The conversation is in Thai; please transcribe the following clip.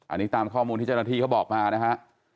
อันนี้ตามข้อมูลที่เจ้าหน้าที่เขาบอกมานะฮะ